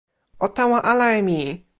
o tawa ala e mi!